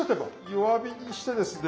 弱火にしてですね。